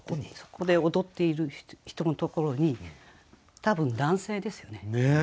そこで踊っている人のところに多分男性ですよね。